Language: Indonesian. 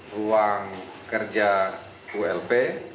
ruang kerja ulp